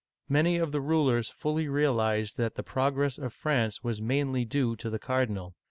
Many other rulers fully realized that the progress of France was mainly due to the cardinal.